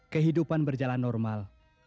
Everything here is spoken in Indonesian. kehidupan berjalan normal